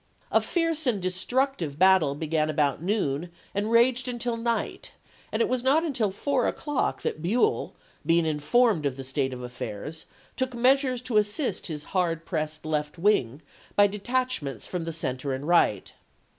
A fierce and destructive battle began about noon and raged until night, and it was not until four o'clock that Buell, being informed of the state of affairs, took measures to assist his hard pressed left wing by detachments from the center and right.